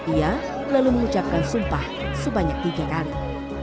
ia lalu mengucapkan sumpah sebanyak tiga kali